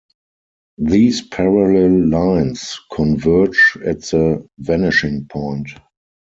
These parallel lines converge at the vanishing point.